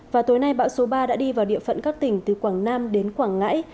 và tối nay bão số ba đã đi vào địa phận các tỉnh từ quảng nam đến quảng ngãi